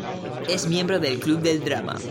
Es miembro del club de drama.